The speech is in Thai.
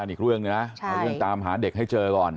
ใช่ค่ะเอาเรื่องตามหาเด็กให้เจอก่อน